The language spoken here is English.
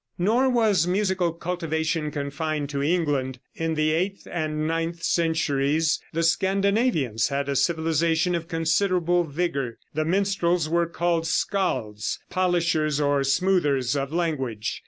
Nor was musical cultivation confined to England. In the eighth and ninth centuries the Scandinavians had a civilization of considerable vigor. The minstrels were called Scalds, polishers or smoothers of language.